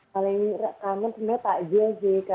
paling kangen sebenarnya takjil sih